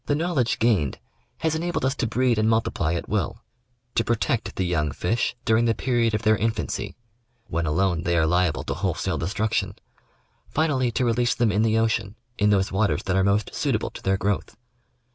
The knowledge gained has enabled us to breed and multiply at will ; to protect the young fish during the period of their in fancy — when alone they are liable to wholesale destruction — finally to release them in the ocean, in those waters that are most suit able to their growth.